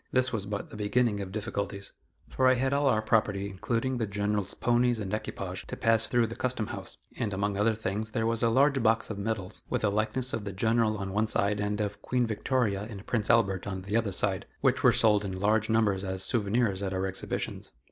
This was but the beginning of difficulties, for I had all our property, including the General's ponies and equipage, to pass through the Custom house, and among other things there was a large box of medals, with a likeness of the General on one side and of Queen Victoria and Prince Albert on the other side, which were sold in large numbers as souvenirs at our exhibitions.